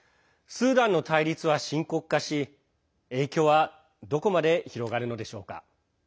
スーダンの対立は深刻化し影響はどこまで広がるのでしょうか。